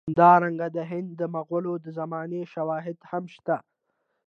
همدارنګه د هند د مغولو د زمانې شواهد هم شته.